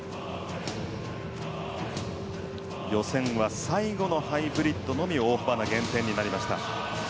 予選は最後のハイブリッドのみ大幅な減点になりました。